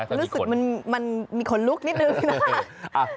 รู้สึกมันมีขนลุกนิดนึงนะคะ